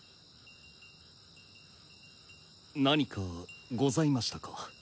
何かございましたか？